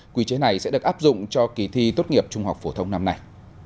quy chế này sẽ được áp dụng cho kỳ thi tốt nghiệp trung học phổ thông năm nay